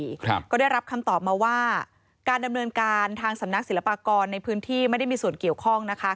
ครับก็ได้รับคำตอบมาว่าการดำเนินการทางสำนักศิลปากรในพื้นที่ไม่ได้มีส่วนเกี่ยวข้องนะคะ